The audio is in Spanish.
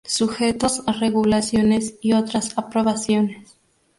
Sujetos a regulaciones y otras aprobaciones.